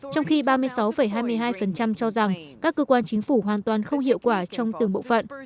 trong khi ba mươi sáu hai mươi hai cho rằng các cơ quan chính phủ hoàn toàn không hiệu quả trong từng bộ phận